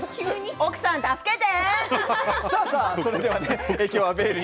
奥さん、助けて。